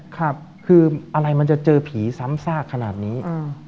คืออะไรมันจะเจอผีซ้ำซากขนาดนี้